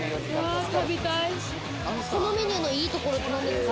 このメニューのいいところって何ですか？